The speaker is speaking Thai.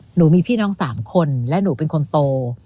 หนูมีพี่น้อง๓คนและหนูเป็นคนโต